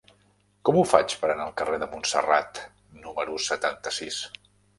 Com ho faig per anar al carrer de Montserrat número setanta-sis?